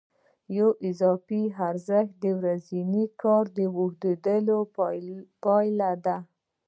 یو اضافي ارزښت د ورځني کار د اوږدوالي پایله ده